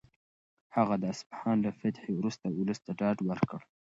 هغه د اصفهان له فتحې وروسته ولس ته ډاډ ورکړ.